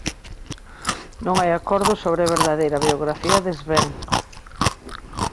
Non hai acordo sobre a verdadeira biografía de Sven.